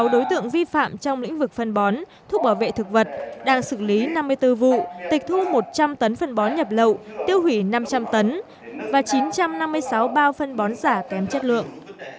sáu đối tượng vi phạm trong lĩnh vực phân bón thuốc bảo vệ thực vật đang xử lý năm mươi bốn vụ tịch thu một trăm linh tấn phân bón nhập lậu tiêu hủy năm trăm linh tấn và chín trăm năm mươi sáu bao phân bón giả kém chất lượng